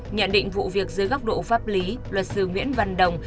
nhận định vụ việc dưới góc độ pháp lý luật sư nguyễn văn đồng